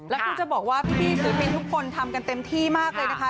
แล้วคุณจะบอกว่าพี่สุดมีดทุกคนทำกันเต็มที่มากเลยนะคะ